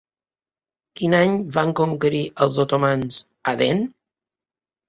Quin any van conquerir els otomans Aden?